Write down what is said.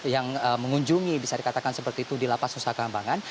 yang mengunjungi bisa dikatakan seperti itu di lapas nusa kambangan